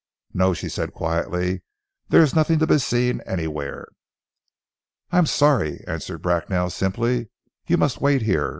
"No," she said quietly. "There is nothing to be seen anywhere." "I am sorry," answered Bracknell simply. "You must wait here.